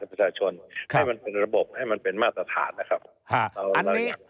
ประชาชนให้มันเป็นระบบให้มันเป็นมาตรฐานนะครับ